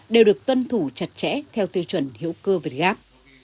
đều được tuân thủ chặt chẽ theo tiêu chuẩn hiệu cơ việt gáp